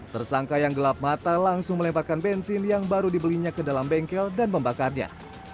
tersangka yang gelap mata langsung melemparkan bensin yang baru dibelinya ke dalam bengkel dan membakarnya